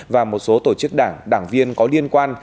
và một số tổ chức đảng đảng viên có liên quan